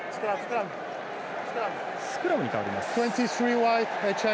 スクラムに変わります。